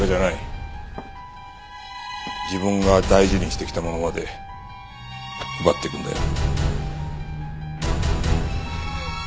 自分が大事にしてきたものまで奪っていくんだよ。